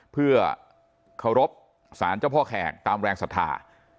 เพื่อเคารพสารเจ้าพ่อแขกตามแรงศรัทธา